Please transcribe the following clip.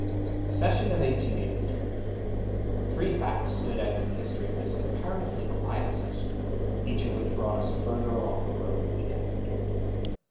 SESSION OF 1883. Three facts stood out in the history of this comparatively quiet session, each of which brought us further along the road we had entered.